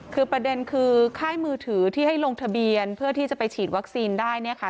คือประเด็นคือค่ายมือถือที่ให้ลงทะเบียนเพื่อที่จะไปฉีดวัคซีนได้เนี่ยค่ะ